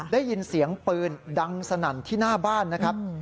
ได้ยินเสียงปืนดังสนั่นที่หน้าบ้านนะครับ